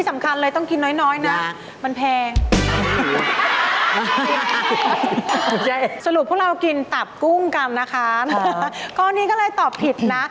มันแพงนะมันแพงสรุปพวกเรากินตับกุ้งกันนะคะข้อนี้ก็เลยตอบผิดนะ